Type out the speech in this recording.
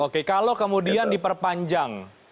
oke kalau kemudian diperpanjang